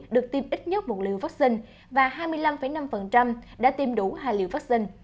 được tiêm ít nhất một liều vaccine và hai mươi năm năm đã tiêm đủ hai liều vaccine